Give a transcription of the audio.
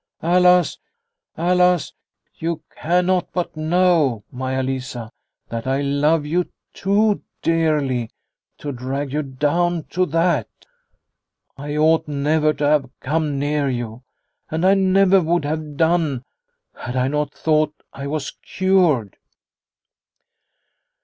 Alas ! alas ! you cannot but know, Maia Lisa, that I love you too dearly to drag you down to that. I ought never to have come near you, and I never would have done, had I not thought I was cured